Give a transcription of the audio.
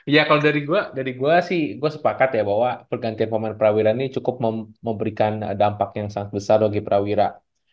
ya kalau dari gue dari gue sih gue sepakat ya bahwa pergantian pemain prawilan ini cukup memberikan dampak yang sangat besar bagi prawira